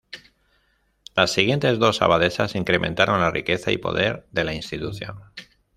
Las siguientes dos abadesas incrementaron la riqueza y poder de la institución.